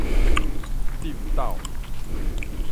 抌篤